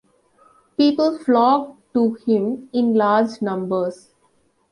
People flocked to him in large numbers.